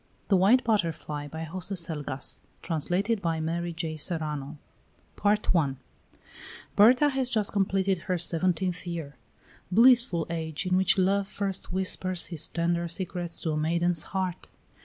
THE WHITE BUTTERFLY By Jose Selgas Translated by Mary J. Serrano. THE WHITE BUTTERFLY Berta has just completed her seventeenth year. Blissful age in which Love first whispers his tender secrets to a maiden's heart!